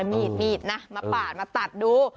มีดนะมาปาดมาตัดดู